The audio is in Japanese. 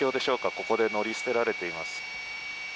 ここで乗り捨てられています。